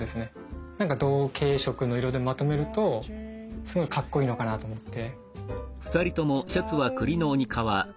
なんか同系色の色でまとめるとすごいかっこいいのかなと思って。